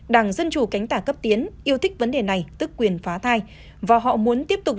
đảng dân chủ cánh tả cấp tiến yêu thích vấn đề này tức quyền phá thai và họ muốn tiếp tục